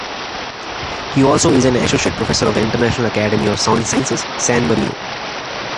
He also is an associate professor of the International Academy of Sciences San Marino.